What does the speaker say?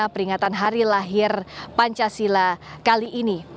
peringatan hari lahir pancasila kali ini